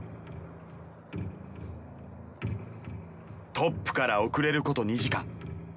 トップから遅れること２時間。